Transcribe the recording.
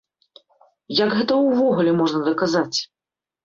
Як гэта ўвогуле можна даказаць?